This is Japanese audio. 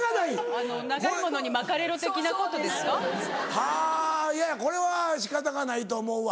はぁいやいやこれは仕方がないと思うわ。